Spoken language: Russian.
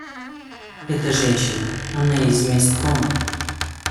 Это женщина, она из месткома.